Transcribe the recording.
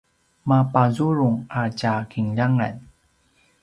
mapazurung a tja kinljangan